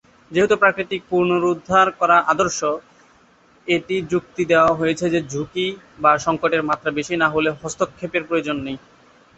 যেহেতু প্রাকৃতিক পুনরুদ্ধার করা আদর্শ, এটি যুক্তি দেওয়া হয়েছে যে ঝুঁকি বা সঙ্কটের মাত্রা বেশি না হলে হস্তক্ষেপের প্রয়োজন নেই।